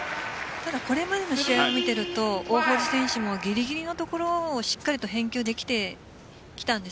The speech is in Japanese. ただこれまでの試合を見ていると大堀選手もぎりぎりのところをしっかりと返球できてきたんです。